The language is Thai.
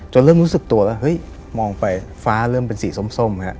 เริ่มรู้สึกตัวแล้วเฮ้ยมองไปฟ้าเริ่มเป็นสีส้มฮะ